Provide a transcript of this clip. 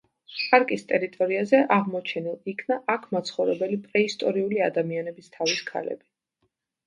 პარკის ტერიტორიაზე აღმოჩენილ იქნა აქ მაცხოვრებელი პრეისტორიული ადამიანების თავის ქალები.